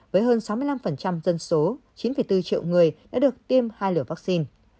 với hơn sáu mươi năm dân số chín bốn triệu người đã được tiêm hai liều vaccine